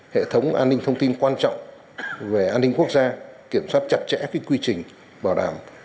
hệ thống an ninh thông tin quan trọng về an ninh quốc gia kiểm soát chặt chẽ quy trình bảo đảm